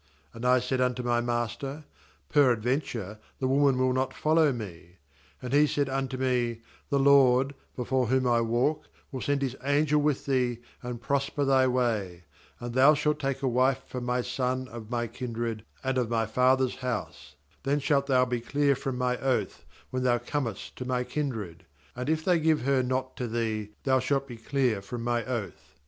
39And I said unto my master: Peradventure the woman will not follow me. 40And he said unto me: The LORD, be fore whom I walk, will send His angel with thee, and prosper thy way; and thou shalt take a wife for my son of my kindred, and of my father's house; ttthen shalt thou be clear from my oath, when thou cpmest to my kin dred; and if they give her not to thee, thou shalt be clear from my oath.